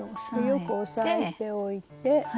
よく押さえておいて。